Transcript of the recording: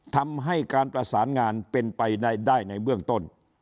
ทำให้การประสานงานเป็นไปได้ในเบื้องต้น